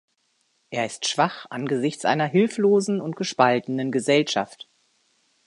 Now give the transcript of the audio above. Er ist schwach angesichts einer hilflosen und gespaltenen Gesellschaft.